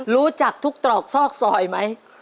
รู้จักทุกตรอกซอกซอยไหม